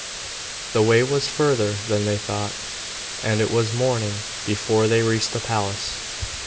The way was further than they thought, and it was morning before they reached the palace.